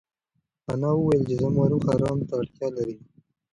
انا وویل چې زما روح ارام ته اړتیا لري.